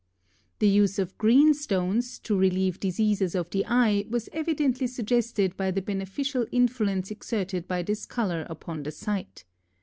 The use of green stones to relieve diseases of the eye was evidently suggested by the beneficial influence exerted by this color upon the sight.